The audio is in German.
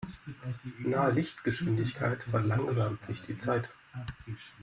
Nahe Lichtgeschwindigkeit verlangsamt sich die Zeit.